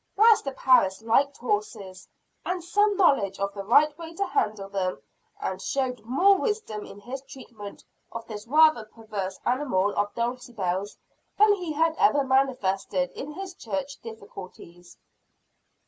Master Parris liked horses, had some knowledge of the right way to handle them, and showed more wisdom in his treatment of this rather perverse animal of Dulcibel's than he had ever manifested in his church difficulties.